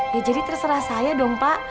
ya jadi terserah saya dong pak